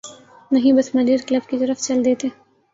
نہیں بس ملیر کلب کی طرف چل دیتے۔